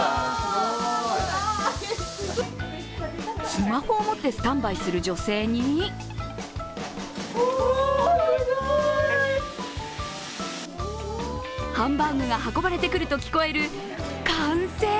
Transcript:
スマホを持ってスタンバイする女性にハンバーグが運ばれてくると聞こえる歓声。